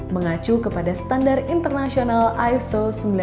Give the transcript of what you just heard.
mengacu kepada standar internasional iso sembilan ribu satu dua ribu lima belas